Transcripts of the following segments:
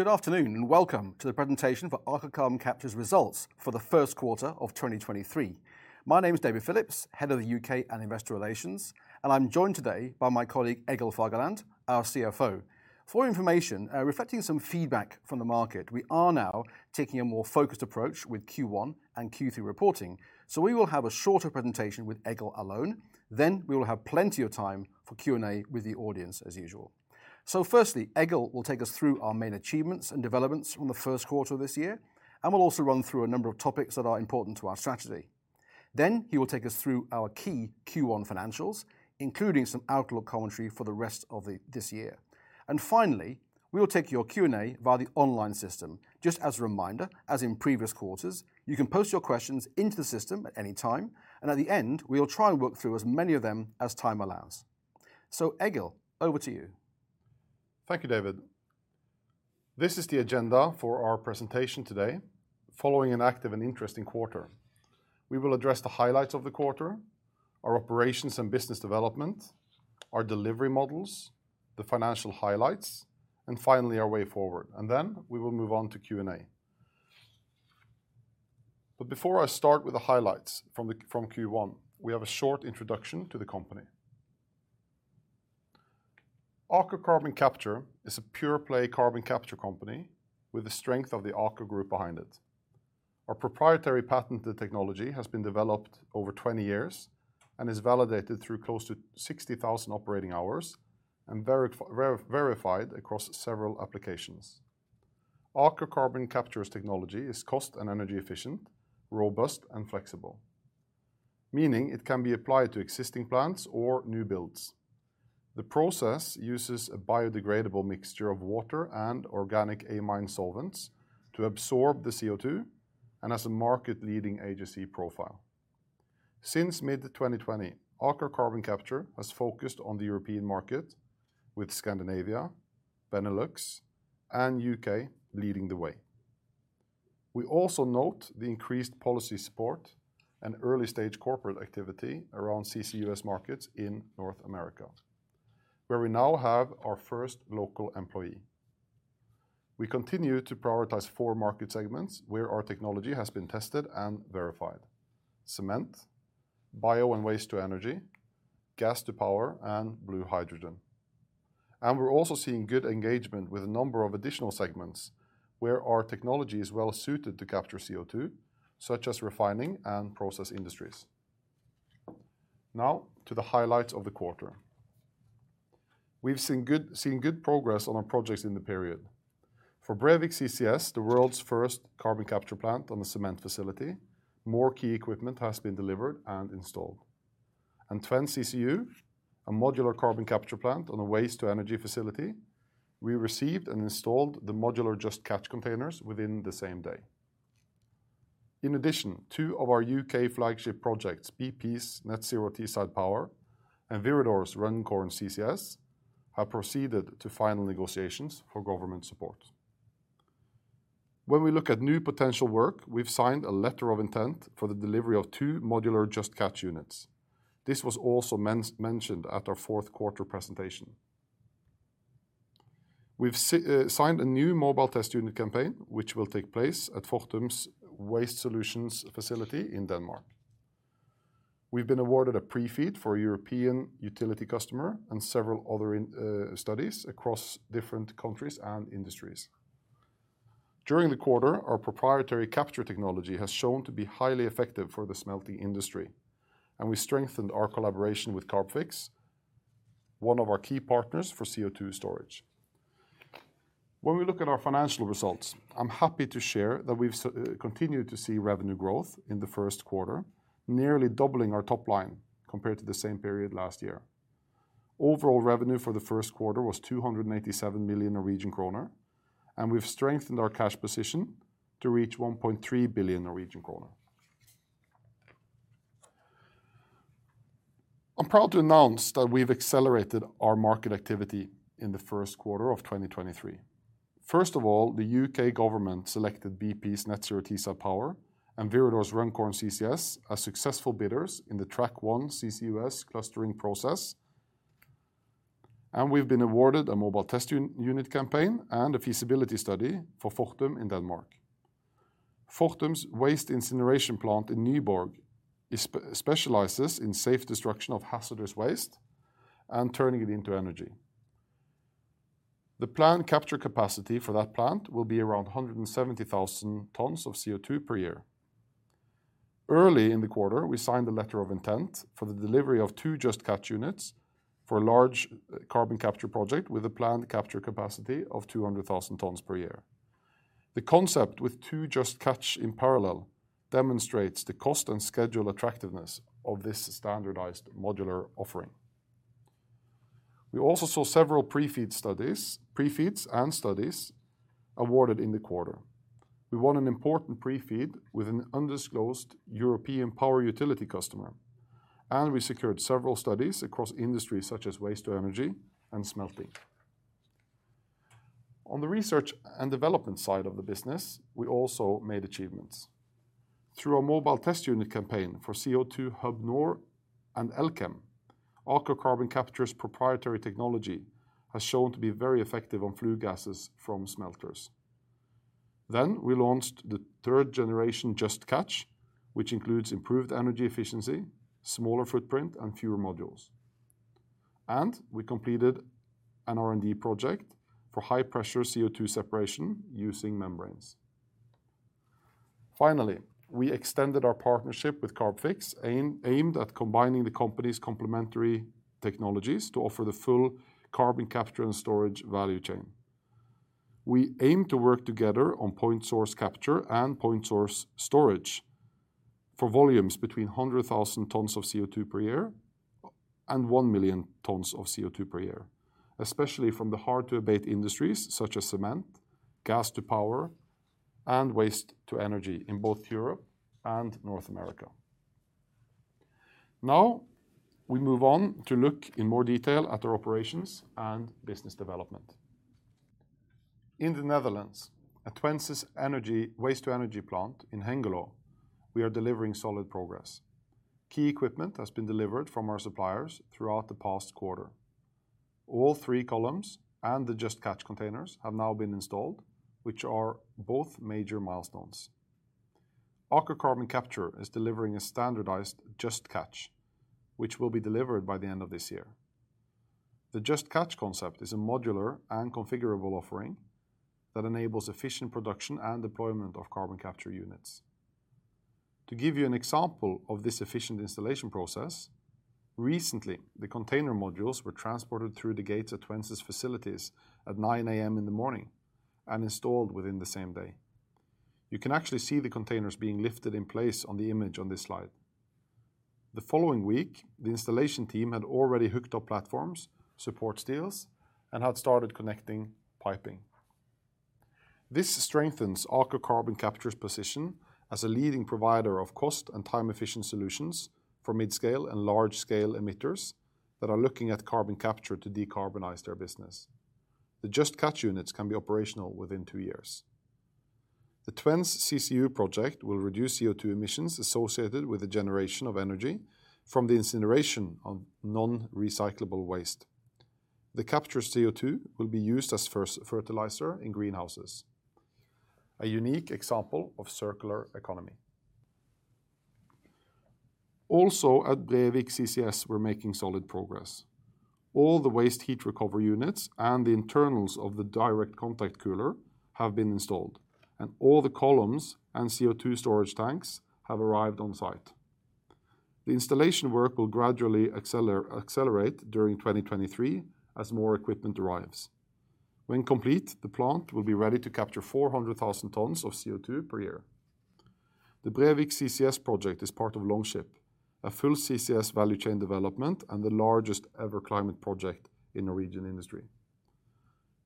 Good afternoon, and welcome to the presentation for Aker Carbon Capture's results for the first quarter of 2023. My name is David Phillips, Head of the U.K. and Investor Relations, and I'm joined today by my colleague Egil Fagerland, our CFO. For information, reflecting some feedback from the market, we are now taking a more focused approach with Q1 and Q3 reporting. We will have a shorter presentation with Egil alone, then we will have plenty of time for Q&A with the audience as usual. Firstly, Egil will take us through our main achievements and developments from the first quarter of this year, and we'll also run through a number of topics that are important to our strategy. He will take us through our key Q1 financials, including some outlook commentary for the rest of this year. Finally, we will take your Q&A via the online system. Just as a reminder, as in previous quarters, you can post your questions into the system at any time, and at the end, we will try and work through as many of them as time allows. Egil, over to you. Thank you, David. This is the agenda for our presentation today, following an active and interesting quarter. We will address the highlights of the quarter, our operations and business development, our delivery models, the financial highlights, and finally, our way forward. Then we will move on to Q&A. Before I start with the highlights from Q1, we have a short introduction to the company. Aker Carbon Capture is a pure play carbon capture company with the strength of the Aker group behind it. Our proprietary patented technology has been developed over 20 years and is validated through close to 60,000 operating hours and verified across several applications. Aker Carbon Capture's technology is cost and energy efficient, robust, and flexible, meaning it can be applied to existing plants or new builds. The process uses a biodegradable mixture of water and organic amine solvents to absorb the CO2 and has a market-leading HSE profile. Since mid-2020, Aker Carbon Capture has focused on the European market with Scandinavia, Benelux, and U.K. leading the way. We also note the increased policy support and early-stage corporate activity around CCUS markets in North America, where we now have our first local employee. We continue to prioritize four market segments where our technology has been tested and verified: cement, bio and waste-to-energy, gas-to-power, and blue hydrogen. We're also seeing good engagement with a number of additional segments where our technology is well-suited to capture CO2, such as refining and process industries. Now to the highlights of the quarter. We've seen good progress on our projects in the period. For Brevik CCS, the world's first carbon capture plant on a cement facility, more key equipment has been delivered and installed. Twence CCU, a modular carbon capture plant on a waste-to-energy facility, we received and installed the modular Just Catch containers within the same day. In addition, two of our U.K. flagship projects, BP's Net Zero Teesside Power and Viridor's Runcorn CCS, have proceeded to final negotiations for government support. When we look at new potential work, we've signed a letter of intent for the delivery of two modular Just Catch units. This was also mentioned at our fourth quarter presentation. We've signed a new mobile test unit campaign, which will take place at Fortum's Waste Solutions facility in Denmark. We've been awarded a pre-FEED for a European utility customer and several other studies across different countries and industries. During the quarter, our proprietary capture technology has shown to be highly effective for the smelting industry. We strengthened our collaboration with Carbfix, one of our key partners for CO2 storage. We look at our financial results, I'm happy to share that we've continued to see revenue growth in the first quarter, nearly doubling our top line compared to the same period last year. Overall revenue for the first quarter was 287 million Norwegian kroner. We've strengthened our cash position to reach 1.3 billion Norwegian kroner. I'm proud to announce that we've accelerated our market activity in the first quarter of 2023. The U.K. government selected BP's Net Zero Teesside Power and Viridor's Runcorn CCS as successful bidders in the Track-1 CCUS clustering process. We've been awarded a mobile test unit campaign and a feasibility study for Fortum in Denmark. Fortum's waste incineration plant in Nyborg specializes in safe destruction of hazardous waste and turning it into energy. The planned capture capacity for that plant will be around 170,000 tons of CO2 per year. Early in the quarter, we signed a letter of intent for the delivery of two Just Catch units for a large carbon capture project with a planned capture capacity of 200,000 tons per year. The concept with two Just Catch in parallel demonstrates the cost and schedule attractiveness of this standardized modular offering. We also saw several pre-FEEDs and studies awarded in the quarter. We won an important pre-FEED with an undisclosed European power utility customer, and we secured several studies across industries such as waste-to-energy and smelting. On the research and development side of the business, we also made achievements. Through our mobile test unit campaign for CO2 HUB Nord and Elkem, Aker Carbon Capture's proprietary technology has shown to be very effective on flue gases from smelters. We launched the 3rd generation Just Catch, which includes improved energy efficiency, smaller footprint, and fewer modules. We completed an R&D project for high-pressure CO2 separation using membranes. Finally, we extended our partnership with Carbfix aimed at combining the company's complementary technologies to offer the full carbon capture and storage value chain. We aim to work together on point source capture and point source storage for volumes between 100,000 tons of CO2 per year and 1 million tons of CO2 per year, especially from the hard-to-abate industries such as cement, gas to power, and waste to energy in both Europe and North America. We move on to look in more detail at our operations and business development. In the Netherlands, at Twence's waste-to-energy plant in Hengelo, we are delivering solid progress. Key equipment has been delivered from our suppliers throughout the past quarter. All three columns and the Just Catch containers have now been installed, which are both major milestones. Aker Carbon Capture is delivering a standardized Just Catch, which will be delivered by the end of this year. The Just Catch concept is a modular and configurable offering that enables efficient production and deployment of carbon capture units. To give you an example of this efficient installation process, recently, the container modules were transported through the gates at Twence's facilities at 9:00 A.M. in the morning and installed within the same day. You can actually see the containers being lifted in place on the image on this slide. The following week, the installation team had already hooked up platforms, support steels, and had started connecting piping. This strengthens Aker Carbon Capture's position as a leading provider of cost and time-efficient solutions for mid-scale and large-scale emitters that are looking at carbon capture to decarbonize their business. The Just Catch units can be operational within two years. The Twence's CCU project will reduce CO2 emissions associated with the generation of energy from the incineration of non-recyclable waste. The captured CO2 will be used as fertilizer in greenhouses, a unique example of circular economy. Also at Brevik CCS, we're making solid progress. All the waste heat recovery units and the internals of the direct contact cooler have been installed, and all the columns and CO2 storage tanks have arrived on-site. The installation work will gradually accelerate during 2023 as more equipment arrives. When complete, the plant will be ready to capture 400,000 tons of CO2 per year. The Brevik CCS project is part of Longship, a full CCS value chain development and the largest ever climate project in Norwegian industry.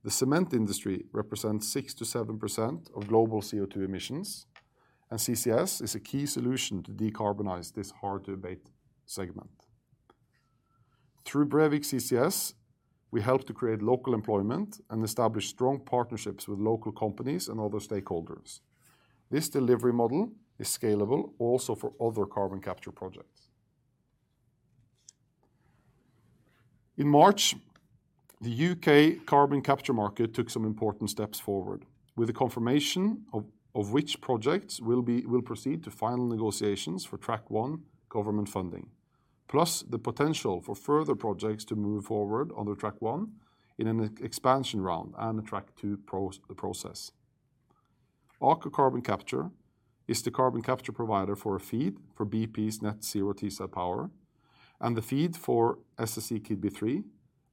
The cement industry represents 6% to 7% of global CO2 emissions, and CCS is a key solution to decarbonize this hard-to-abate segment. Through Brevik CCS, we help to create local employment and establish strong partnerships with local companies and other stakeholders. This delivery model is scalable also for other carbon capture projects. In March, the U.K. carbon capture market took some important steps forward with the confirmation of which projects will proceed to final negotiations for Track-1 government funding, plus the potential for further projects to move forward under Track-1 in an expansion round and a Track-2 process. Aker Carbon Capture is the carbon capture provider for a FEED for BP's Net Zero Teesside Power and the FEED for SSE Keadby 3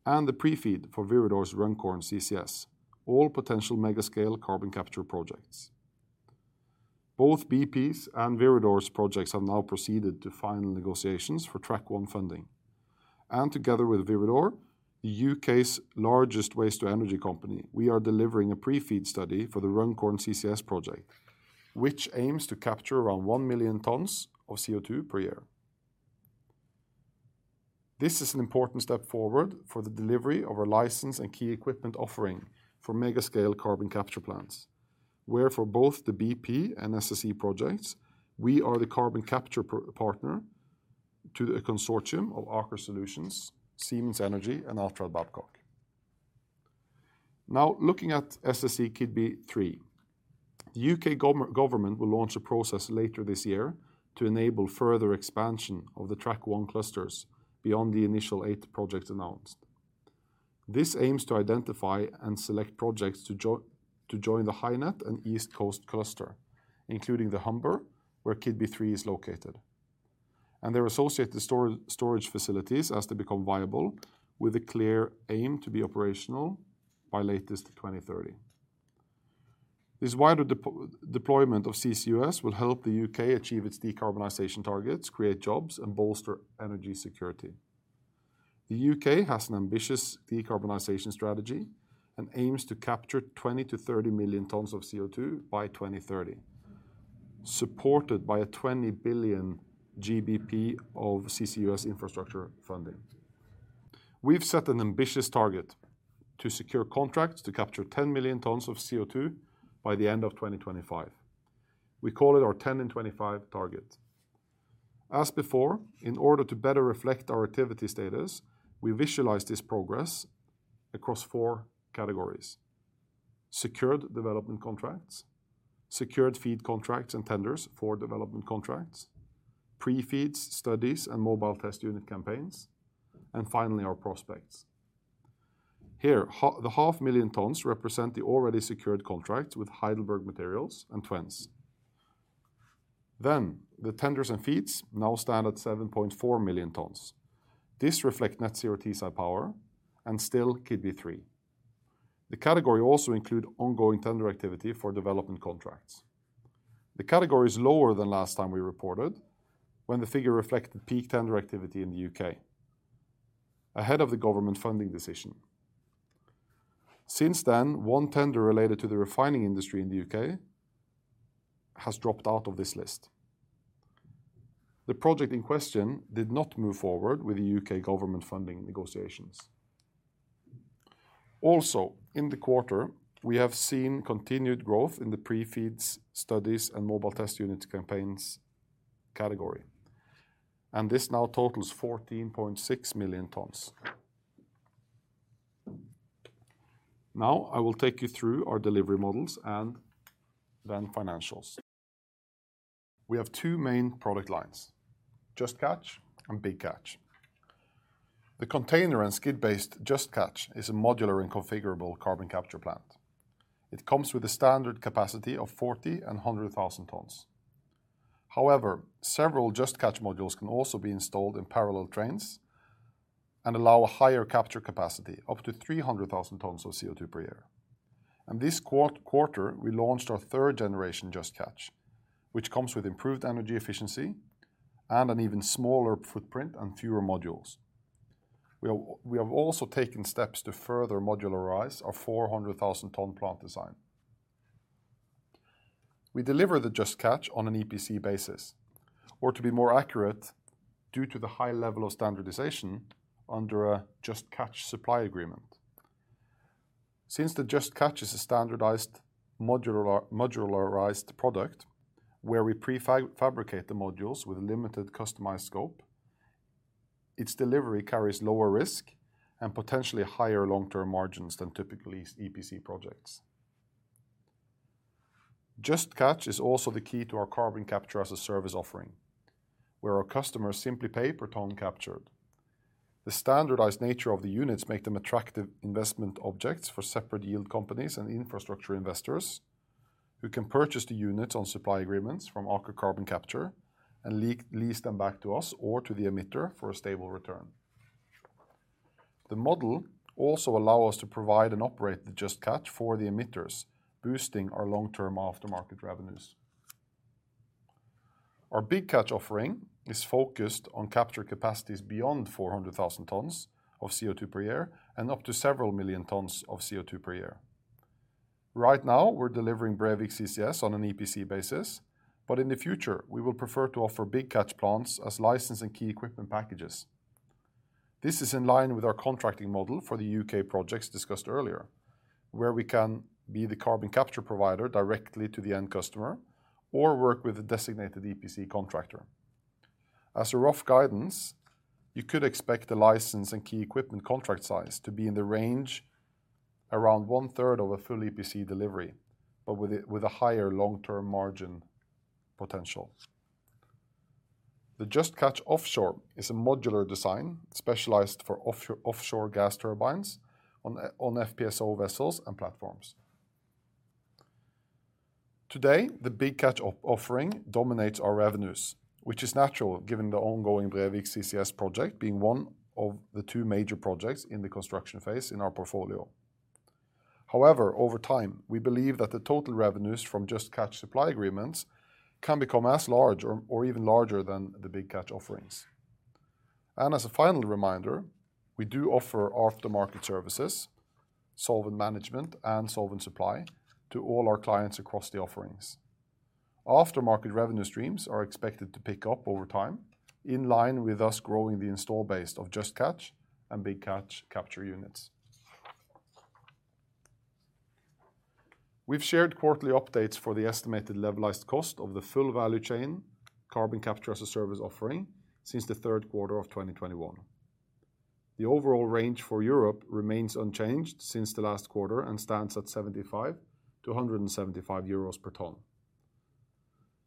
and the pre-FEED for Viridor's Runcorn CCS, all potential mega-scale carbon capture projects. Both BP's and Viridor's projects have now proceeded to final negotiations for Track-1 funding. Together with Viridor, the U.K.'s largest waste to energy company, we are delivering a pre-FEED study for the Runcorn CCS project, which aims to capture around 1 million tons of CO2 per year. This is an important step forward for the delivery of our license and key equipment offering for mega-scale carbon capture plants, where for both the BP and SSE Thermal projects, we are the carbon capture partner to a consortium of Aker Solutions, Siemens Energy, and Altrad Babcock. Looking at SSE Thermal Keadby 3. The U.K. government will launch a process later this year to enable further expansion of the Track-1 clusters beyond the initial eight projects announced. This aims to identify and select projects to join the HyNet and East Coast Cluster, including The Humber, where Keadby 3 is located, and their associated storage facilities as they become viable with a clear aim to be operational by latest 2030. This wider deployment of CCUS will help the U.K. achieve its decarbonization targets, create jobs, and bolster energy security. The U.K. has an ambitious decarbonization strategy and aims to capture 20-30 million tons of CO2 by 2030, supported by a 20 billion GBP of CCUS infrastructure funding. We've set an ambitious target to secure contracts to capture 10 million tons of CO2 by the end of 2025. We call it our 10 in 25 target. As before, in order to better reflect our activity status, we visualize this progress across four categories: secured development contracts, secured FEED contracts, and tenders for development contracts, pre-FEEDs, studies, and MTU campaigns, and finally, our prospects. Here, the 0.5 million tons represent the already secured contracts with Heidelberg Materials and Twence. The tenders and FEEDs now stand at 7.4 million tons. This reflect Net Zero Teesside Power and still Keadby 3. The category also include ongoing tender activity for development contracts. The category is lower than last time we reported when the figure reflected peak tender activity in the U.K. ahead of the government funding decision. One tender related to the refining industry in the U.K. has dropped out of this list. The project in question did not move forward with the U.K. government funding negotiations. In the quarter, we have seen continued growth in the pre-FEED studies and mobile test unit campaigns category, and this now totals 14.6 million tons. I will take you through our delivery models and then financials. We have two main product lines, Just Catch and Big Catch. The container and skid-based Just Catch is a modular and configurable carbon capture plant. It comes with a standard capacity of 40,000 and 100,000 tons. However, several Just Catch modules can also be installed in parallel trains and allow a higher capture capacity, up to 300,000 tons of CO2 per year. This quarter, we launched our third generation Just Catch, which comes with improved energy efficiency and an even smaller footprint and fewer modules. We have also taken steps to further modularize our 400,000 ton plant design. We deliver the Just Catch on an EPC basis, or to be more accurate, due to the high level of standardization under a Just Catch supply agreement. Since the Just Catch is a standardized modularized product where we pre-fabricate the modules with a limited customized scope, its delivery carries lower risk and potentially higher long-term margins than typical EPC projects. Just Catch is also the key to our Carbon Capture as a Service offering, where our customers simply pay per ton captured. The standardized nature of the units make them attractive investment objects for separate yield companies and infrastructure investors who can purchase the units on supply agreements from Aker Carbon Capture and lease them back to us or to the emitter for a stable return. The model also allow us to provide and operate the Just Catch for the emitters, boosting our long-term aftermarket revenues. Our Big Catch offering is focused on capture capacities beyond 400,000 tons of CO2 per year and up to several million tons of CO2 per year. Right now, we're delivering Brevik CCS on an EPC basis. In the future, we will prefer to offer Big Catch plants as license and key equipment packages. This is in line with our contracting model for the UK projects discussed earlier, where we can be the carbon capture provider directly to the end customer or work with the designated EPC contractor. As a rough guidance, you could expect the license and key equipment contract size to be in the range around 1/3 of a full EPC delivery, but with a higher long-term margin potential. The Just Catch Offshore is a modular design specialized for offshore gas turbines on FPSO vessels and platforms. Today, the Big Catch offering dominates our revenues, which is natural given the ongoing Brevik CCS project being one of the two major projects in the construction phase in our portfolio. Over time, we believe that the total revenues from Just Catch supply agreements can become as large or even larger than the Big Catch offerings. As a final reminder, we do offer aftermarket services, solvent management, and solvent supply to all our clients across the offerings. Aftermarket revenue streams are expected to pick up over time, in line with us growing the install base of Just Catch and Big Catch capture units. We've shared quarterly updates for the estimated levelized cost of the full value chain Carbon Capture as a Service offering since the third quarter of 2021. The overall range for Europe remains unchanged since the last quarter and stands at 75-175 euros per ton.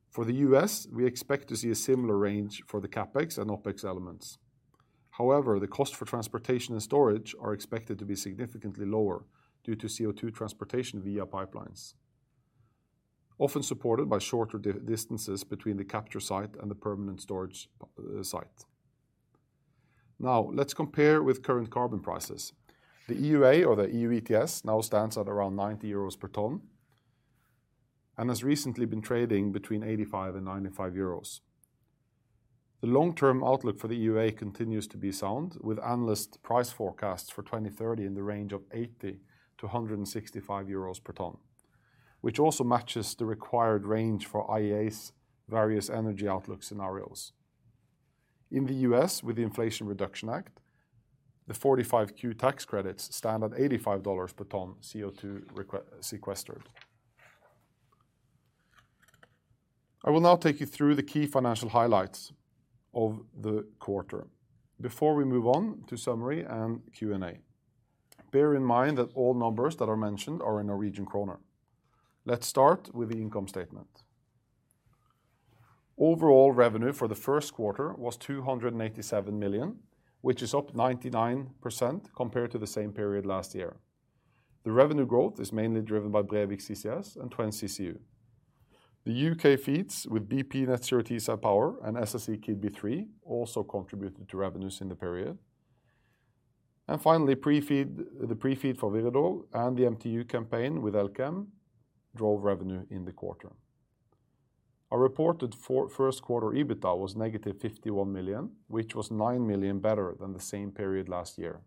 For the U.S., we expect to see a similar range for the CapEx and OpEx elements. However, the cost for transportation and storage are expected to be significantly lower due to CO2 transportation via pipelines, often supported by shorter distances between the capture site and the permanent storage site. Let's compare with current carbon prices. The EUA or the EU ETS now stands at around 90 euros per ton and has recently been trading between 85 and 95 euros. The long-term outlook for the EUA continues to be sound, with analyst price forecasts for 2030 in the range of 80-165 euros per ton. Also matches the required range for IEA's various energy outlook scenarios. In the U.S. with the Inflation Reduction Act, the 45Q tax credits stand at $85 per ton CO2 sequestered. I will now take you through the key financial highlights of the quarter before we move on to summary and Q&A. Bear in mind that all numbers that are mentioned are in Norwegian kroner. Let's start with the income statement. Overall revenue for the first quarter was 287 million, which is up 99% compared to the same period last year. The revenue growth is mainly driven by Brevik CCS and Twence CCU. The UK FEEDs with BP Net Zero Teesside Power and SSE Keadby 3 also contributed to revenues in the period. Finally, the pre-FEED for Viridor and the MTU campaign with Elkem drove revenue in the quarter. Our reported first quarter EBITDA was -51 million, which was 9 million better than the same period last year.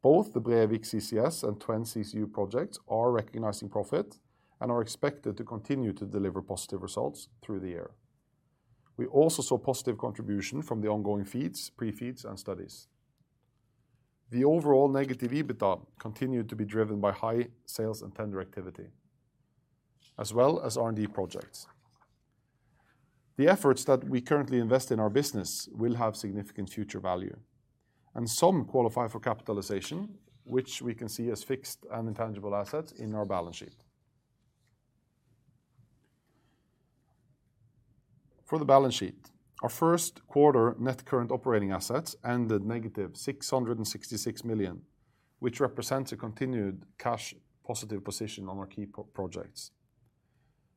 Both the Brevik CCS and Twence CCU projects are recognizing profit and are expected to continue to deliver positive results through the year. We also saw positive contribution from the ongoing FEEDs, pre-FEEDs and studies. The overall negative EBITDA continued to be driven by high sales and tender activity, as well as R&D projects. The efforts that we currently invest in our business will have significant future value, and some qualify for capitalization, which we can see as fixed and intangible assets in our balance sheet. For the balance sheet, our first quarter net current operating assets ended negative 666 million, which represents a continued cash positive position on our key pro-projects.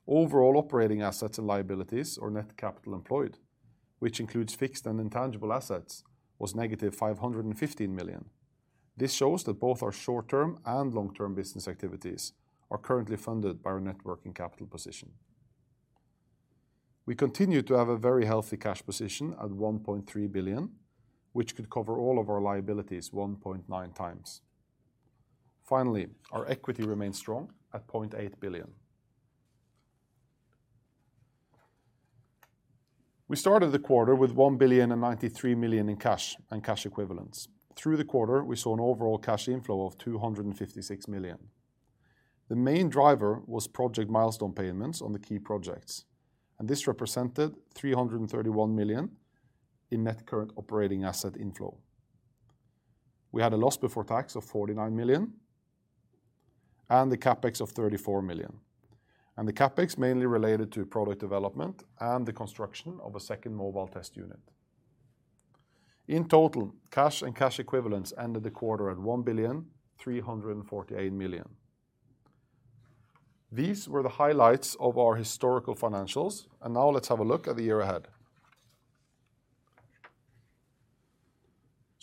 Overall operating assets and liabilities or net capital employed, which includes fixed and intangible assets, was negative 515 million. This shows that both our short-term and long-term business activities are currently funded by our net working capital position. We continue to have a very healthy cash position at 1.3 billion, which could cover all of our liabilities 1.9 times. Finally, our equity remains strong at 0.8 billion. We started the quarter with 1,093 million in cash and cash equivalents. Through the quarter, we saw an overall cash inflow of 256 million. The main driver was project milestone payments on the key projects, and this represented 331 million in net current operating asset inflow. We had a loss before tax of 49 million and the CapEx of 34 million, and the CapEx mainly related to product development and the construction of a second mobile test unit. In total, cash and cash equivalents ended the quarter at 1,348 million. These were the highlights of our historical financials, and now let's have a look at the year ahead.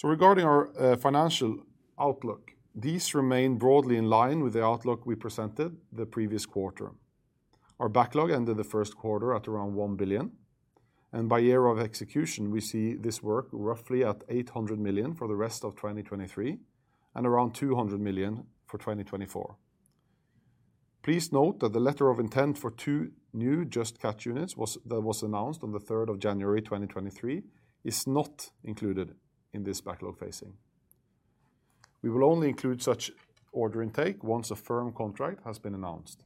Regarding our financial outlook, these remain broadly in line with the outlook we presented the previous quarter. Our backlog ended the first quarter at around 1 billion, and by year of execution, we see this work roughly at 800 million for the rest of 2023 and around 200 million for 2024. Please note that the letter of intent for two new Just Catch units that was announced on the 3rd of January, 2023 is not included in this backlog phasing. We will only include such order intake once a firm contract has been announced.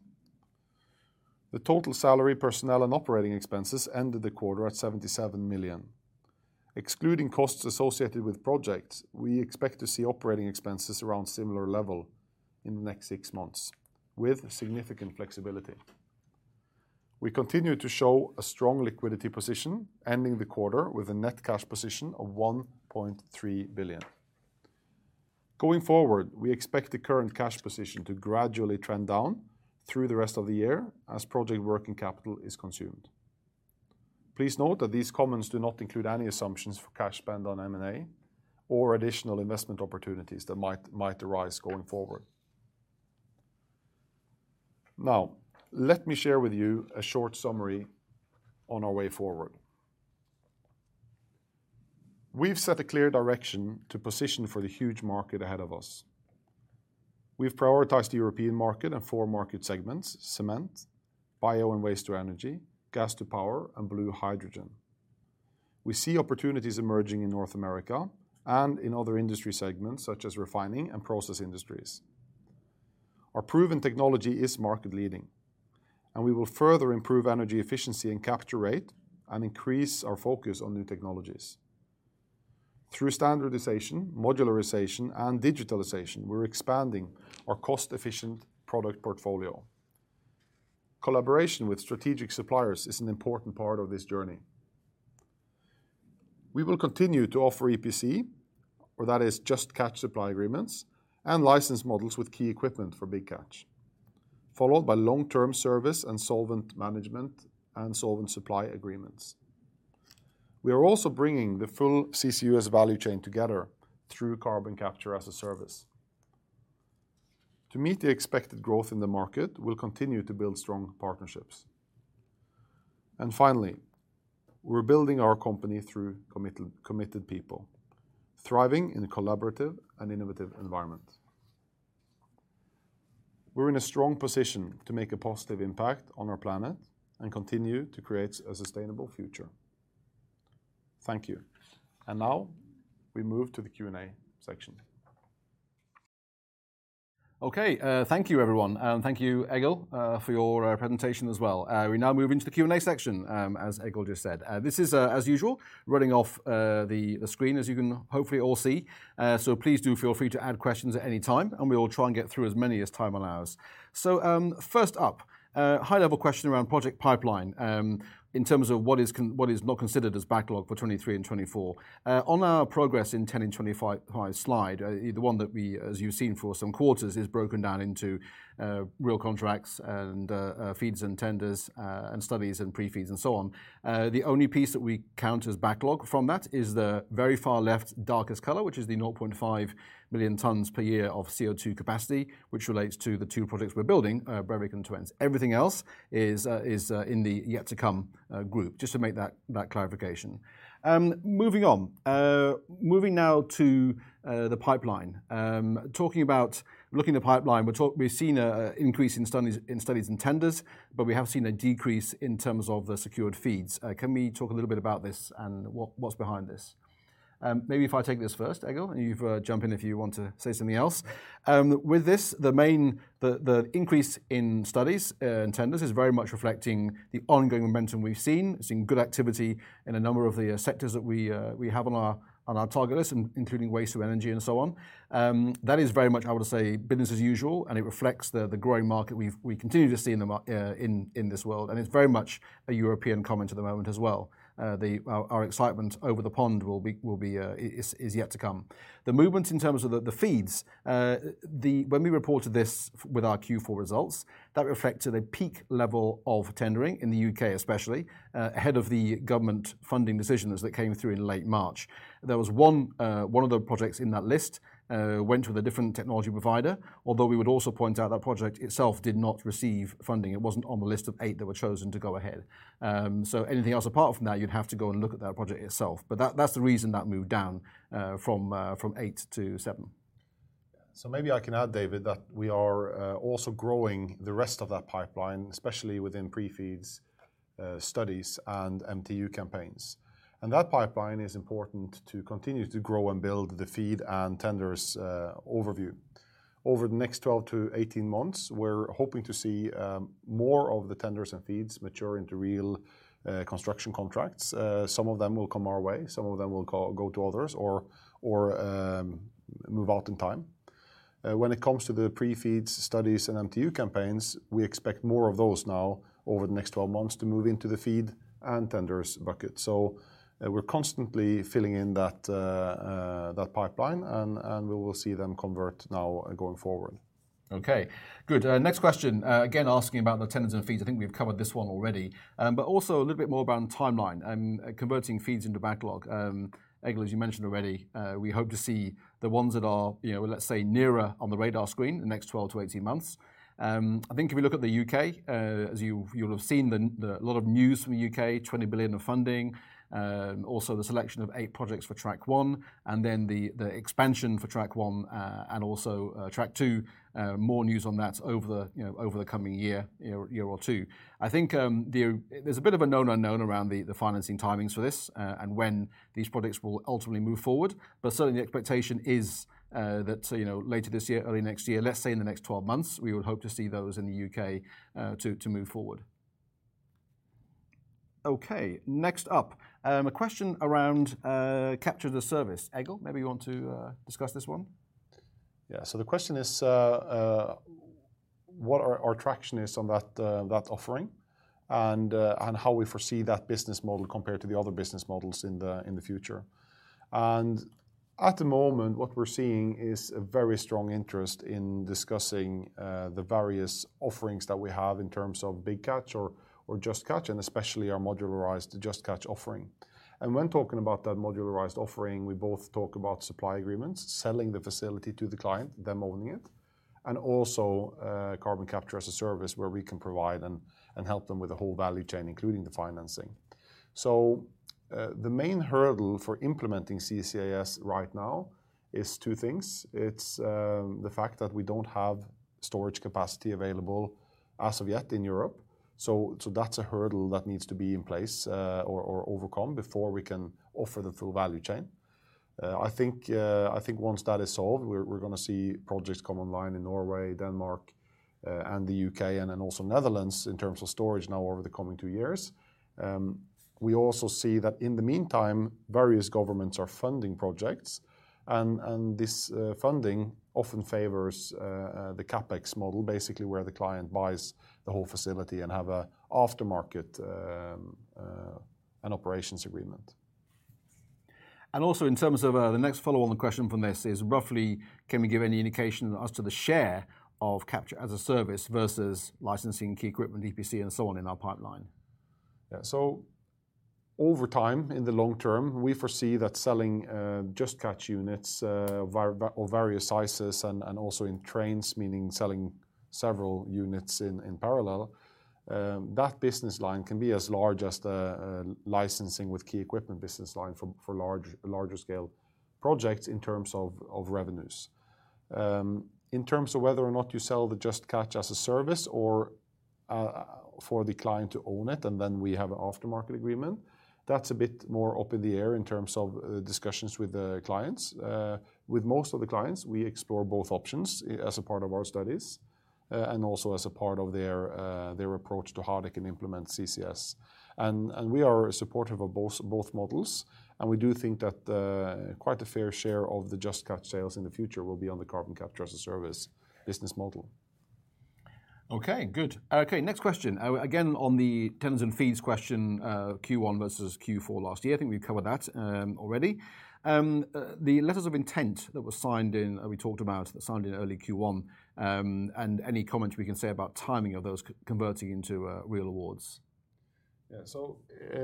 The total salary, personnel, and operating expenses ended the quarter at 77 million. Excluding costs associated with projects, we expect to see operating expenses around similar level in the next six months with significant flexibility. We continue to show a strong liquidity position ending the quarter with a net cash position of 1.3 billion. Going forward, we expect the current cash position to gradually trend down through the rest of the year as project working capital is consumed. Please note that these comments do not include any assumptions for cash spend on M&A or additional investment opportunities that might arise going forward. Let me share with you a short summary on our way forward. We've set a clear direction to position for the huge market ahead of us. We've prioritized the European market and four market segments: cement, bio and waste to energy, gas to power, and blue hydrogen. We see opportunities emerging in North America and in other industry segments such as refining and process industries. Our proven technology is market leading, and we will further improve energy efficiency and capture rate and increase our focus on new technologies. Through standardization, modularization, and digitalization, we're expanding our cost-efficient product portfolio. Collaboration with strategic suppliers is an important part of this journey. We will continue to offer EPC or that is Just Catch supply agreements and license models with key equipment for Big Catch, followed by long-term service and solvent management and solvent supply agreements. We are also bringing the full CCUS value chain together through Carbon Capture as a Service. To meet the expected growth in the market, we'll continue to build strong partnerships. Finally, we're building our company through committed people thriving in a collaborative and innovative environment. We're in a strong position to make a positive impact on our planet and continue to create a sustainable future. Thank you. Now we move to the Q&A section. Okay, thank you everyone, thank you Egil, for your presentation as well. We now move into the Q&A section, as Egil just said. This is as usual, running off the screen as you can hopefully all see. Please do feel free to add questions at any time, we will try and get through as many as time allows. First up, a high level question around project pipeline, in terms of what is not considered as backlog for 2023 and 2024. On our progress in 10 and 25 slide, the one that we, as you've seen for some quarters, is broken down into real contracts and FEEDs and tenders, and studies and pre-FEEDs and so on. The only piece that we count as backlog from that is the very far left darkest color, which is the 0.5 million tons per year of CO2 capacity, which relates to the two projects we're building, Brevik and Twence. Everything else is in the yet to come group, just to make that clarification. Moving on. Moving now to the pipeline. Talking about looking at the pipeline, we've seen an increase in studies and tenders, but we have seen a decrease in terms of the secured FEEDs. Can we talk a little bit about this and what's behind this? Maybe if I take this first, Egil, and you can jump in if you want to say something else. With this, the main... The increase in studies and tenders is very much reflecting the ongoing momentum we've seen. We've seen good activity in a number of the sectors that we have on our target list, including waste of energy and so on. That is very much, I would say, business as usual, and it reflects the growing market we continue to see in this world, and it's very much a European comment at the moment as well. Our excitement over the pond will be is yet to come. The movement in terms of the FEEDs. When we reported this with our Q4 results, that reflected a peak level of tendering in the UK especially, ahead of the government funding decisions that came through in late March. There was one of the projects in that list, went with a different technology provider, although we would also point out that project itself did not receive funding. It wasn't on the list of eight that were chosen to go ahead. Anything else apart from that, you'd have to go and look at that project itself, but that's the reason that moved down, from eight to seven. Maybe I can add, David, that we are also growing the rest of that pipeline, especially within pre-FEED studies and MTU campaigns. That pipeline is important to continue to grow and build the FEED and tenders overview. Over the next 12-18 months, we're hoping to see more of the tenders and FEEDs mature into real construction contracts. Some of them will come our way, some of them will go to others or move out in time. When it comes to the pre-FEED studies and MTU campaigns, we expect more of those now over the next 12 months to move into the FEED and tenders bucket. We're constantly filling in that pipeline and we will see them convert now going forward. Okay, good. Next question, again asking about the tenders and FEEDs. I think we've covered this one already, but also a little bit more about timeline, converting FEEDs into backlog. Egil, as you mentioned already, we hope to see the ones that are, you know, let's say nearer on the radar screen the next 12 to 18 months. I think if you look at the U.K., as you've, you'll have seen the lot of news from U.K., 20 billion GBP of funding, also the selection of eight projects for Track-1 and then the expansion for Track-1, and also Track-2. More news on that over the, you know, over the coming year or two. I think, the, there's a bit of a known unknown around the financing timings for this, and when these projects will ultimately move forward. Certainly the expectation is that, you know, later this year, early next year, let's say in the next 12 months, we would hope to see those in the U.K. to move forward. Okay, next up, a question around capture the Service. Egil, maybe you want to discuss this one? Yeah. The question is, what our traction is on that offering and how we foresee that business model compared to the other business models in the future. At the moment, what we're seeing is a very strong interest in discussing the various offerings that we have in terms of Big Catch or Just Catch, and especially our modularized Just Catch offering. When talking about that modularized offering, we both talk about supply agreements, selling the facility to the client, them owning it, and also, Carbon Capture as a Service where we can provide and help them with the whole value chain, including the financing. The main hurdle for implementing CCAS right now is two things. It's the fact that we don't have storage capacity available as of yet in Europe. That's a hurdle that needs to be in place or overcome before we can offer the full value chain. I think once that is solved, we're gonna see projects come online in Norway, Denmark, and the U.K. and also Netherlands in terms of storage now over the coming two years. We also see that in the meantime, various governments are funding projects and this funding often favors the CapEx model, basically where the client buys the whole facility and have a aftermarket and operations agreement. Also in terms of the next follow-on question from this is roughly can we give any indication as to the share of Capture as a Service versus licensing key equipment, EPC and so on in our pipeline? Over time, in the long term, we foresee that selling Just Catch units, or various sizes and also in trains, meaning selling several units in parallel, that business line can be as large as the licensing with key equipment business line for larger scale projects in terms of revenues. In terms of whether or not you sell the Just Catch as a service or for the client to own it, and then we have an aftermarket agreement, that's a bit more up in the air in terms of discussions with the clients. With most of the clients, we explore both options as a part of our studies and also as a part of their approach to how they can implement CCS. We are supportive of both models, and we do think that quite a fair share of the Just Catch sales in the future will be on the Carbon Capture as a Service business model. Okay, good. Next question. Again, on the tenders and FEEDs question, Q1 versus Q4 last year, I think we've covered that already. The letters of intent that were signed in, we talked about, signed in early Q1, any comments we can say about timing of those converting into real awards?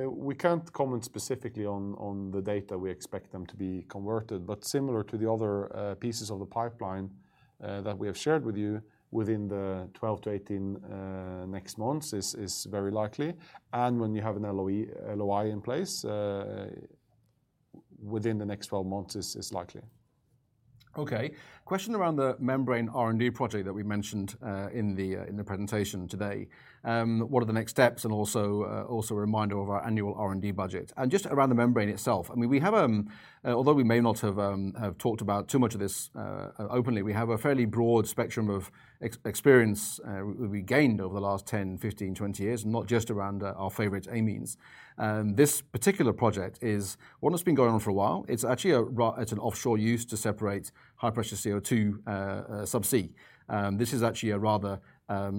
We can't comment specifically on the data we expect them to be converted, but similar to the other pieces of the pipeline that we have shared with you within the 12 to 18 next months is very likely, and when you have an LOI in place, within the next 12 months is likely. Okay. Question around the membrane R&D project that we mentioned in the presentation today. What are the next steps? Also, a reminder of our annual R&D budget. Just around the membrane itself, I mean, we have, although we may not have talked about too much of this openly, we have a fairly broad spectrum of experience we gained over the last 10, 15, 20 years, not just around our favorite amines. This particular project is one that's been going on for a while. It's actually an offshore use to separate high-pressure CO2, Sub-C. This is actually a rather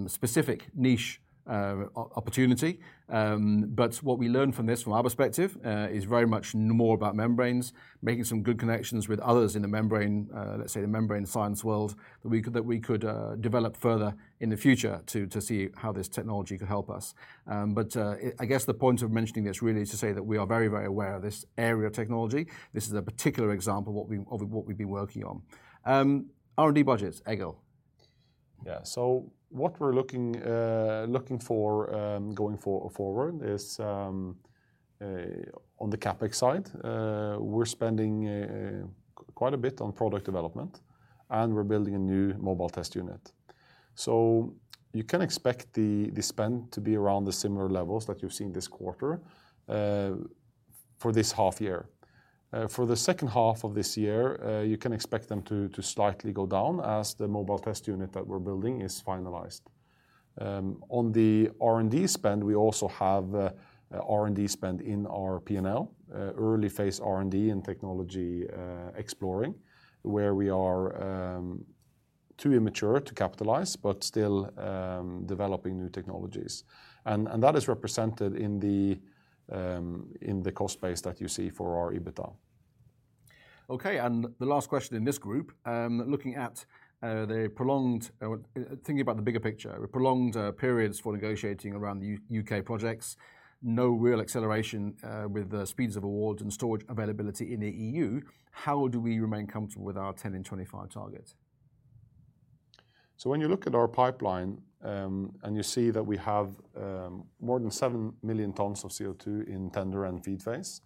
specific niche opportunity. What we learn from this, from our perspective, is very much more about membranes, making some good connections with others in the membrane, let's say the membrane science world, that we could develop further in the future to see how this technology could help us. I guess the point of mentioning this really is to say that we are very, very aware of this area of technology. This is a particular example what we, of what we've been working on. R&D budgets, Egil. What we're looking for going forward is on the CapEx side, we're spending quite a bit on product development, and we're building a new mobile test unit. You can expect the spend to be around the similar levels that you've seen this quarter for this half year. For the second half of this year, you can expect them to slightly go down as the mobile test unit that we're building is finalized. On the R&D spend, we also have R&D spend in our P&L, early phase R&D and technology, exploring, where we are too immature to capitalize, but still developing new technologies. That is represented in the cost base that you see for our EBITDA. The last question in this group, looking at the prolonged, thinking about the bigger picture, prolonged periods for negotiating around the U.K. projects, no real acceleration with the speeds of awards and storage availability in the EU, how do we remain comfortable with our 10 in 25 target? When you look at our pipeline, and you see that we have more than 7 million tons of CO2 in tender and FEED phase,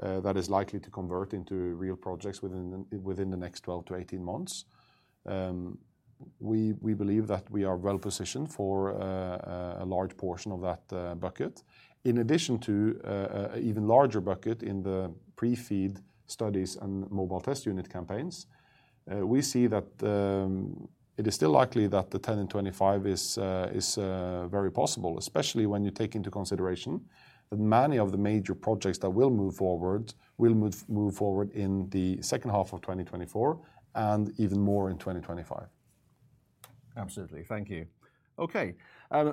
that is likely to convert into real projects within the next 12 to 18 months, we believe that we are well-positioned for a large portion of that bucket. In addition to even larger bucket in the pre-FEED studies and MTU campaigns, we see that it is still likely that the 10 in 25 is very possible, especially when you take into consideration that many of the major projects that will move forward in the second half of 2024 and even more in 2025. Absolutely. Thank you. Okay,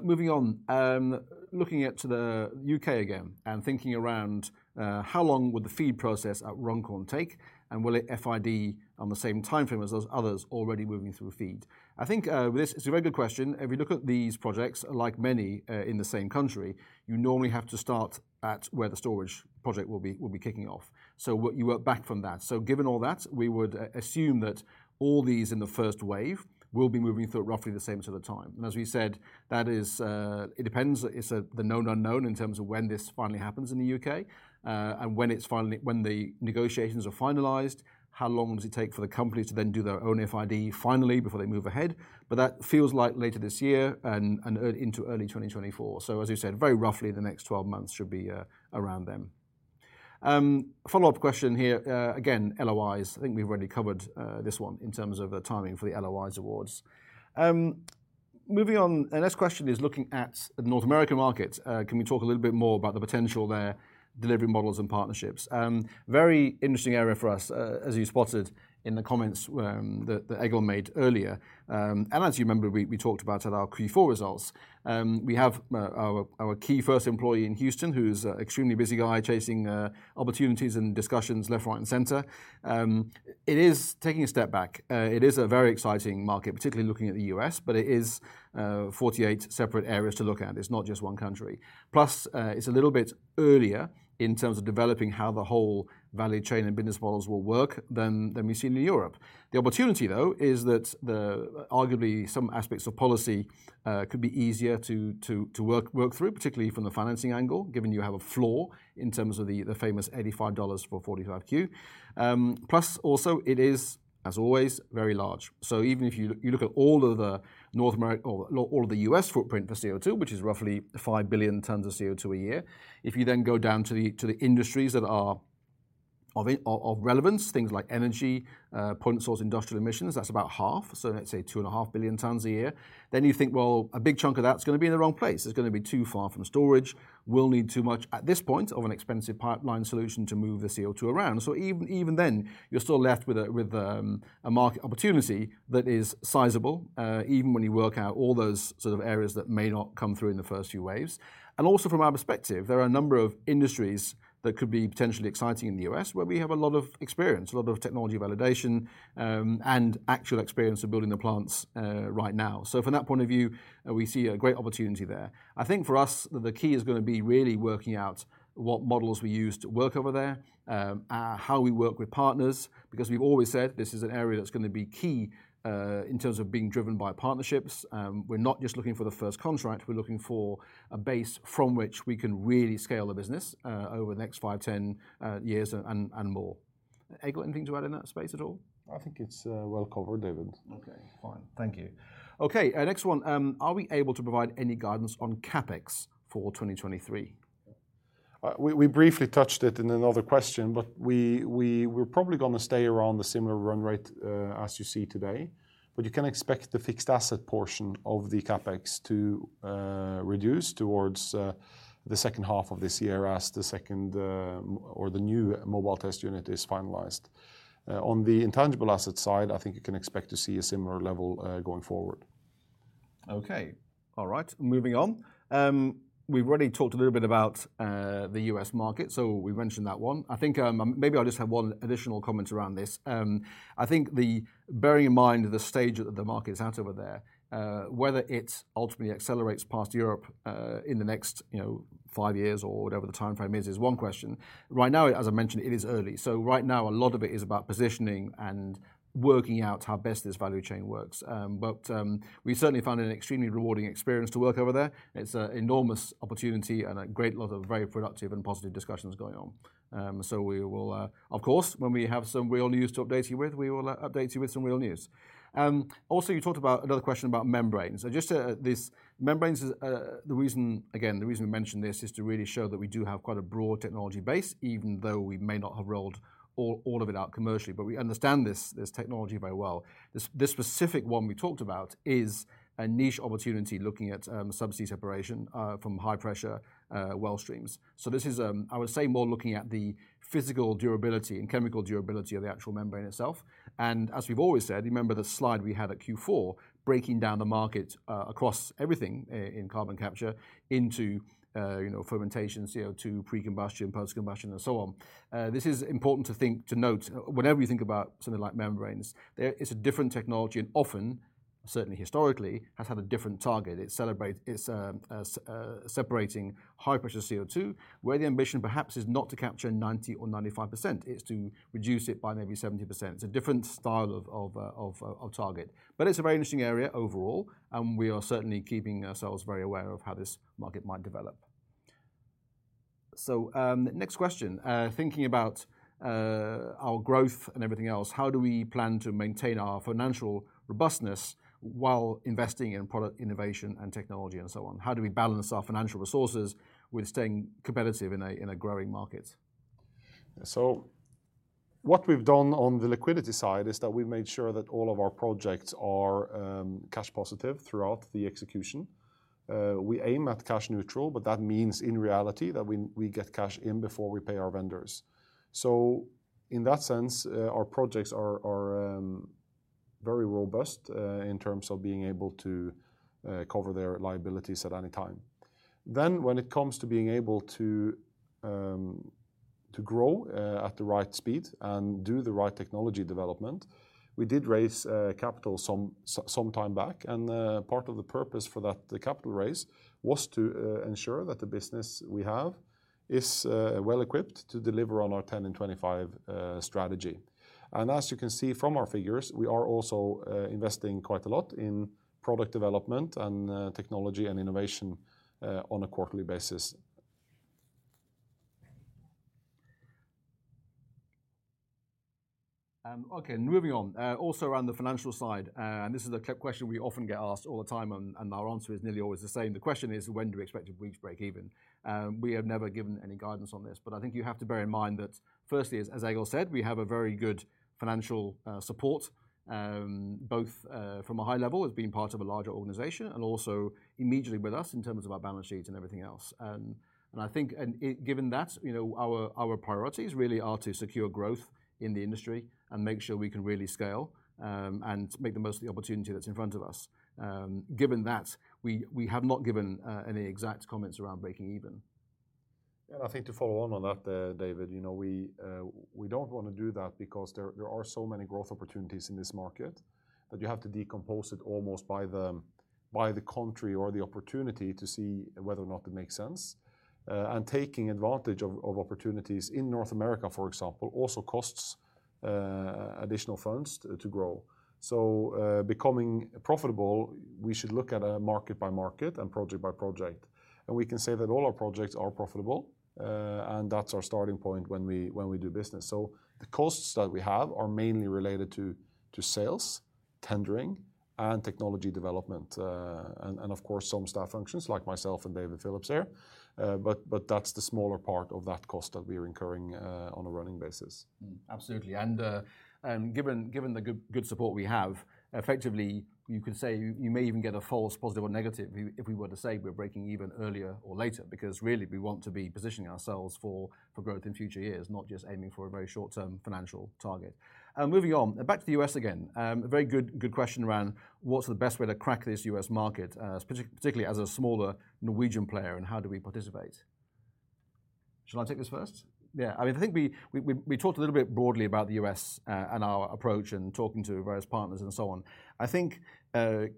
moving on. Looking at to the U.K. again and thinking around, how long would the FEED process at Runcorn take, and will it FID on the same timeframe as those others already moving through FEED? I think, this is a very good question. If you look at these projects, like many, in the same country, you normally have to start at where the storage project will be kicking off. What you work back from that. Given all that, we would assume that all these in the first wave will be moving through at roughly the same sort of time. As we said, that is, it depends. It's the known unknown in terms of when this finally happens in the U.K., and when the negotiations are finalized, how long does it take for the company to then do their own FID finally before they move ahead. That feels like later this year and into early 2024. As you said, very roughly the next 12 months should be around them. Follow-up question here, again, LOIs. I think we've already covered this one in terms of the timing for the LOIs awards. Moving on, the next question is looking at the North American market. Can we talk a little bit more about the potential there, delivery models, and partnerships? Very interesting area for us, as you spotted in the comments that Egil made earlier. As you remember, we talked about at our Q4 results. We have our key first employee in Houston, who's a extremely busy guy chasing opportunities and discussions left, right, and center. It is taking a step back. It is a very exciting market, particularly looking at the U.S., but it is 48 separate areas to look at. It's not just one country. It's a little bit earlier in terms of developing how the whole value chain and business models will work than we've seen in Europe. The opportunity, though, is that the arguably some aspects of policy could be easier to work through, particularly from the financing angle, given you have a floor in terms of the famous $85 for 45Q. It is, as always, very large. Even if you look at all of the U.S. footprint for CO2, which is roughly 5 billion tons of CO2 a year, you go down to the industries that are of relevance, things like energy, point source industrial emissions, that's about half, let's say 2.5 billion tons a year. You think, well, a big chunk of that's gonna be in the wrong place. It's gonna be too far from storage. We'll need too much at this point of an expensive pipeline solution to move the CO2 around. Even then, you're still left with a market opportunity that is sizable, even when you work out all those sort of areas that may not come through in the first few waves. Also from our perspective, there are a number of industries that could be potentially exciting in the U.S. where we have a lot of experience, a lot of technology validation, and actual experience of building the plants right now. From that point of view, we see a great opportunity there. I think for us, the key is gonna be really working out what models we use to work over there, how we work with partners, because we've always said this is an area that's gonna be key in terms of being driven by partnerships. We're not just looking for the first contract, we're looking for a base from which we can really scale the business over the next five, 10 years and more. Egil, anything to add in that space at all? I think it's, well covered, David. Okay. Fine. Thank you. Okay, our next one, are we able to provide any guidance on CapEx for 2023? We briefly touched it in another question, but we're probably gonna stay around the similar run rate as you see today. You can expect the fixed asset portion of the CapEx to reduce towards the second half of this year as the second or the new mobile test unit is finalized. On the intangible asset side, I think you can expect to see a similar level going forward. Okay. All right. Moving on. We've already talked a little bit about the U.S. market, we've mentioned that one. I think, maybe I'll just have one additional comment around this. I think the bearing in mind the stage that the market is at over there, whether it ultimately accelerates past Europe, in the next five years or whatever the timeframe is one question. Right now, as I mentioned, it is early. Right now, a lot of it is about positioning and working out how best this value chain works. We certainly found it an extremely rewarding experience to work over there. It's an enormous opportunity and a great lot of very productive and positive discussions going on. We will, of course, when we have some real news to update you with, we will update you with some real news. Also, you talked about another question about membranes. Just, this membranes is the reason, again, the reason we mentioned this is to really show that we do have quite a broad technology base, even though we may not have rolled all of it out commercially. We understand this technology very well. This, this specific one we talked about is a niche opportunity looking at subsea separation from high-pressure well streams. This is, I would say more looking at the physical durability and chemical durability of the actual membrane itself. As we've always said, remember the slide we had at Q4, breaking down the market across everything in carbon capture into, you know, fermentation, CO2, pre-combustion, post-combustion, and so on. This is important to note whenever you think about something like membranes, there is a different technology and often, certainly historically, has had a different target. It celebrates its separating high-pressure CO2, where the ambition perhaps is not to capture 90% or 95%. It's to reduce it by maybe 70%. It's a different style of target. It's a very interesting area overall, and we are certainly keeping ourselves very aware of how this market might develop. Next question. Thinking about our growth and everything else, how do we plan to maintain our financial robustness while investing in product innovation and technology and so on? How do we balance our financial resources with staying competitive in a growing market? What we've done on the liquidity side is that we've made sure that all of our projects are cash positive throughout the execution. We aim at cash neutral, but that means in reality that we get cash in before we pay our vendors. In that sense, our projects are very robust in terms of being able to cover their liabilities at any time. When it comes to being able to grow at the right speed and do the right technology development, we did raise capital sometime back, and part of the purpose for that, the capital raise was to ensure that the business we have is well-equipped to deliver on our 10 in 25 strategy. As you can see from our figures, we are also investing quite a lot in product development and technology and innovation on a quarterly basis. Okay, moving on. Also around the financial side, this is a question we often get asked all the time and our answer is nearly always the same. The question is, when do we expect to reach break even? We have never given any guidance on this, but I think you have to bear in mind that firstly, as Egil said, we have a very good financial support, both from a high level as being part of a larger organization and also immediately with us in terms of our balance sheet and everything else. I think, given that, you know, our priorities really are to secure growth in the industry and make sure we can really scale, and make the most of the opportunity that's in front of us. Given that, we have not given any exact comments around breaking even. I think to follow on on that, David, you know, we don't wanna do that because there are so many growth opportunities in this market that you have to decompose it almost by the country or the opportunity to see whether or not it makes sense. And taking advantage of opportunities in North America, for example, also costs additional funds to grow. Becoming profitable, we should look at market by market and project by project, and we can say that all our projects are profitable. And that's our starting point when we do business. The costs that we have are mainly related to sales, tendering, and technology development. And of course, some staff functions like myself and David Phillips here. That's the smaller part of that cost that we are incurring on a running basis. Absolutely. Given the good support we have, effectively you could say you may even get a false positive or negative if we were to say we're breaking even earlier or later because really we want to be positioning ourselves for growth in future years, not just aiming for a very short-term financial target. Moving on, back to the U.S. again. A very good question around what's the best way to crack this U.S. market, particularly as a smaller Norwegian player, and how do we participate? Shall I take this first? Yeah. I mean, I think we talked a little bit broadly about the U.S. and our approach in talking to various partners and so on. I think,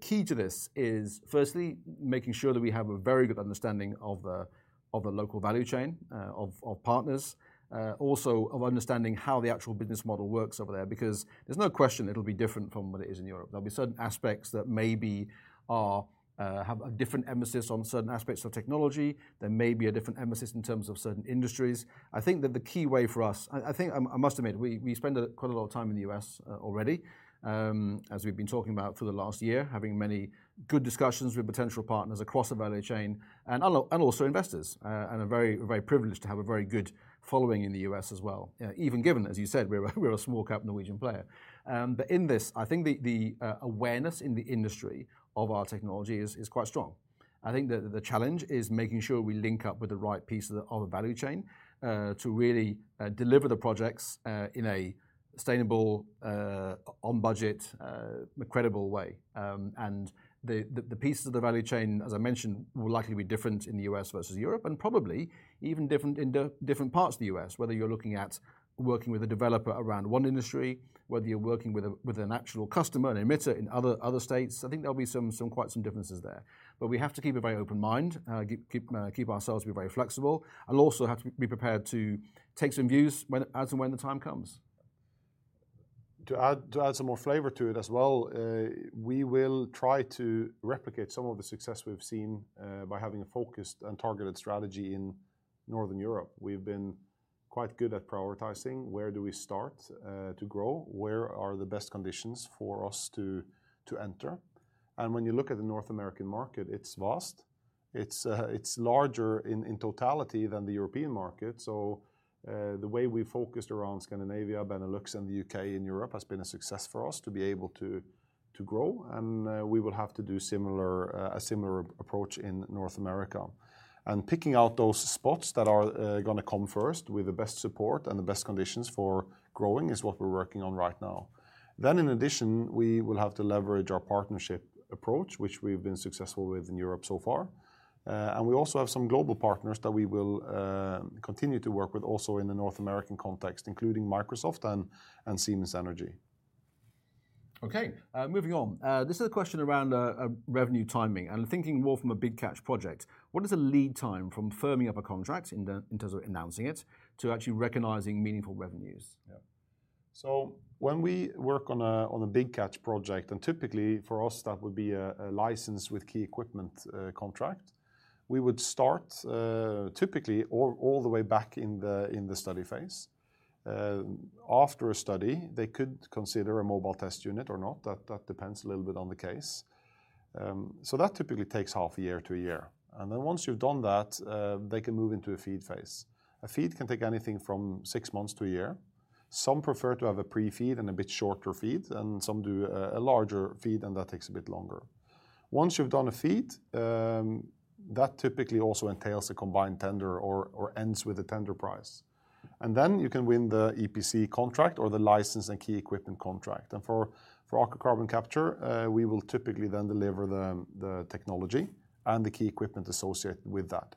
key to this is firstly making sure that we have a very good understanding of the, of the local value chain, of partners, also of understanding how the actual business model works over there because there's no question it'll be different from what it is in Europe. There'll be certain aspects that maybe are, have a different emphasis on certain aspects of technology. There may be a different emphasis in terms of certain industries. I think that the key way for us... I think, I must admit, we spend a quite a lot of time in the U.S. already as we've been talking about for the last year, having many good discussions with potential partners across the value chain and also investors, and are very, very privileged to have a very good following in the U.S. as well. Even given, as you said, we're a small cap Norwegian player. In this, I think the awareness in the industry of our technology is quite strong. I think that the challenge is making sure we link up with the right piece of the value chain to really deliver the projects in a sustainable, on budget, credible way. The pieces of the value chain, as I mentioned, will likely be different in the U.S. versus Europe and probably even different in different parts of the U.S., whether you're looking at working with a developer around one industry, whether you're working with an actual customer, an emitter in other states. I think there'll be quite some differences there. We have to keep a very open mind, keep ourselves be very flexible, and also have to be prepared to take some views when, as and when the time comes. To add some more flavor to it as well, we will try to replicate some of the success we've seen by having a focused and targeted strategy in Northern Europe. We've been quite good at prioritizing where do we start to grow? Where are the best conditions for us to enter? When you look at the North American market, it's vast. It's larger in totality than the European market. The way we focused around Scandinavia, Benelux, and the U.K. and Europe has been a success for us to be able to grow. We will have to do a similar approach in North America. Picking out those spots that are gonna come first with the best support and the best conditions for growing is what we're working on right now. In addition, we will have to leverage our partnership approach, which we've been successful with in Europe so far. We also have some global partners that we will continue to work with also in the North American context, including Microsoft and Siemens Energy. Okay, moving on. This is a question around revenue timing and thinking more from a Big Catch project. What is the lead time from firming up a contract in terms of announcing it to actually recognizing meaningful revenues? Yeah. When we work on a Big Catch project, and typically for us that would be a license with key equipment contract, we would start typically all the way back in the study phase. After a study, they could consider a mobile test unit or not, that depends a little bit on the case. That typically takes half a year to one year. Once you've done that, they can move into a FEED phase. A FEED can take anything from six months to one year. Some prefer to have a pre-FEED and a bit shorter FEED, and some do a larger FEED, and that takes a bit longer. Once you've done a FEED, that typically also entails a combined tender or ends with a tender price. You can win the EPC contract or the license and key equipment contract. For Aker Carbon Capture, we will typically then deliver the technology and the key equipment associated with that.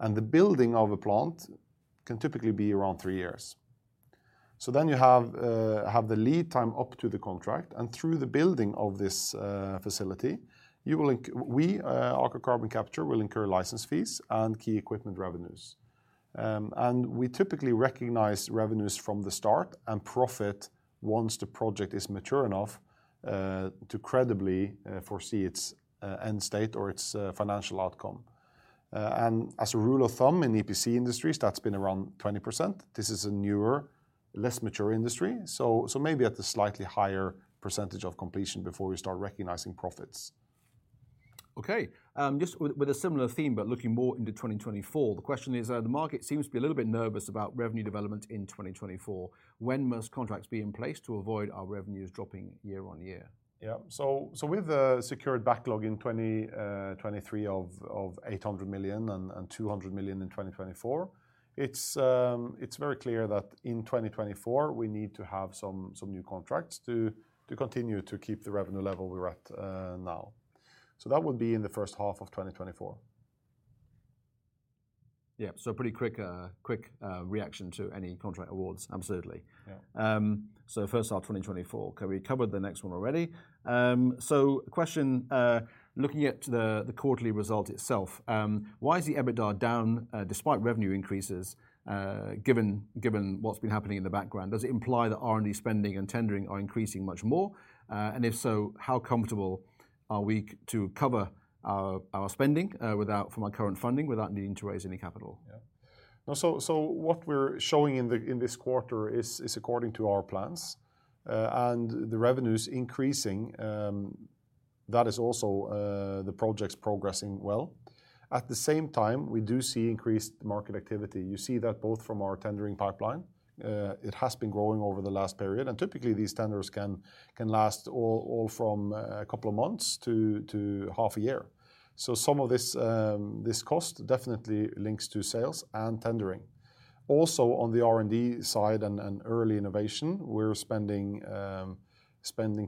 The building of a plant can typically be around three years. You have the lead time up to the contract, and through the building of this facility, Aker Carbon Capture will incur license fees and key equipment revenues. We typically recognize revenues from the start and profit once the project is mature enough to credibly foresee its end state or its financial outcome. As a rule of thumb in EPC industries, that's been around 20%. This is a newer, less mature industry, so maybe at the slightly higher percentage of completion before we start recognizing profits. Okay. just with a similar theme, looking more into 2024, the question is, the market seems to be a little bit nervous about revenue development in 2024. When must contracts be in place to avoid our revenues dropping year-on-year? With the secured backlog in 2023 of 800 million and 200 million in 2024, it's very clear that in 2024 we need to have some new contracts to continue to keep the revenue level we're at now. That would be in the first half of 2024. Yeah. pretty quick reaction to any contract awards, absolutely. Yeah. First half 2024. Okay, we covered the next one already. Question, looking at the quarterly result itself, why is the EBITDA down despite revenue increases, given what's been happening in the background? Does it imply that R&D spending and tendering are increasing much more? If so, how comfortable are we to cover our spending without from our current funding without needing to raise any capital? What we're showing in this quarter is according to our plans, and the revenue's increasing, that is also the projects progressing well. At the same time, we do see increased market activity. You see that both from our tendering pipeline, it has been growing over the last period, and typically these tenders can last from a couple of months to half a year. Some of this cost definitely links to sales and tendering. Also, on the R&D side and early innovation, we're spending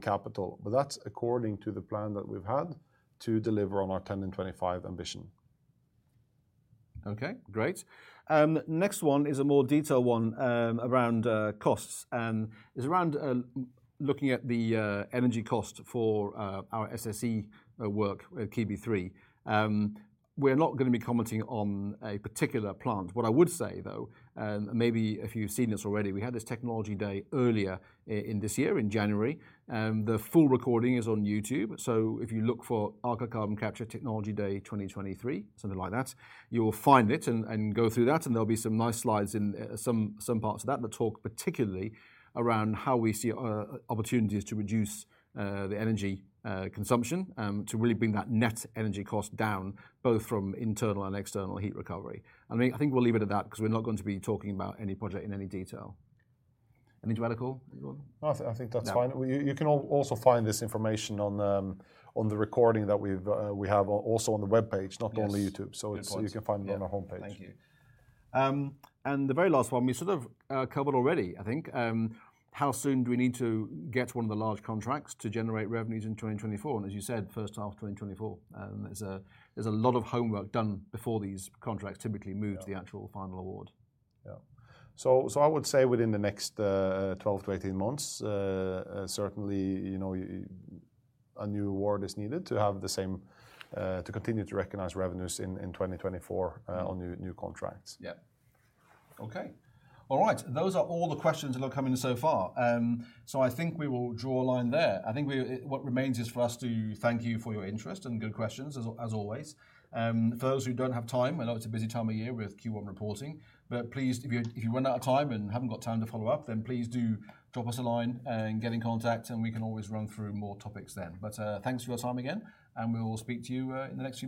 capital. That's according to the plan that we've had to deliver on our 10 in 25 ambition. Okay. Great. Next one is a more detailed one, around costs, and is around looking at the energy cost for our SSE work, Keadby 3. We're not gonna be commenting on a particular plant. What I would say though, maybe if you've seen this already, we had this technology day earlier in this year in January, the full recording is on YouTube. If you look for Aker Carbon Capture Technology Day 2023, something like that, you will find it and go through that, and there'll be some nice slides in some parts of that that talk particularly around how we see opportunities to reduce the energy consumption, to really bring that net energy cost down, both from internal and external heat recovery. I mean, I think we'll leave it at that because we're not going to be talking about any project in any detail. Any to add, Egil? I think that's fine. No. You can also find this information on the recording that we have also on the webpage. Yes... not only YouTube. Good point. You can find it on our homepage. Yeah. Thank you. The very last one we sort of, covered already, I think, how soon do we need to get one of the large contracts to generate revenues in 2024? As you said, first half 2024, there's a lot of homework done before these contracts typically move- Yeah... to the actual final award. Yeah. I would say within the next 12 to 18 months, certainly, you know, a new award is needed to have the same, to continue to recognize revenues in 2024, on new contracts. Yeah. Okay. All right. Those are all the questions that have come in so far. I think we will draw a line there. I think what remains is for us to thank you for your interest and good questions, as always. For those who don't have time, I know it's a busy time of year with Q1 reporting, but please, if you run out of time and haven't got time to follow up, then please do drop us a line and get in contact, and we can always run through more topics then. Thanks for your time again, and we will speak to you in the next few months.